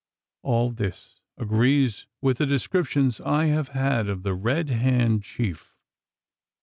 All this agrees with the descriptions I have had of the Red Hand chief.